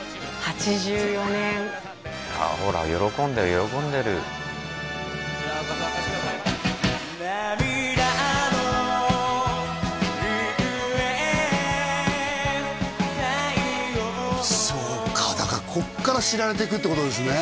８４年ああほら喜んでる喜んでるそうかだからこっから知られていくってことですね